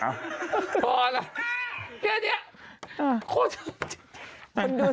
เหนียวเอ่ย